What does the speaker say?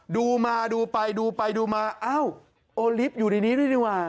ดูมาดูไปดูไปดูมาอ้าวโอลิฟต์อยู่ในนี้ด้วยดีกว่า